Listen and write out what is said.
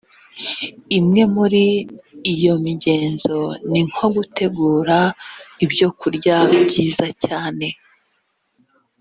imwe muri iyo migenzo ni nko gutegura ibyo kurya byiza cyane